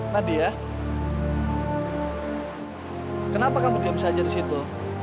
nadia kenapa kamu diam saja di situ